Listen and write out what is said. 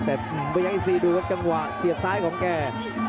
แต่พยายามที่สี่ดูกับจังหวะเสียบซ้ายของแก่